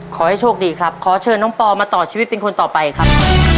ขอให้โชคดีครับขอเชิญน้องปอมาต่อชีวิตเป็นคนต่อไปครับ